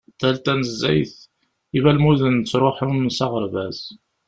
Tal tanezzayt, ibalmuden ttruḥun s aɣerbaz.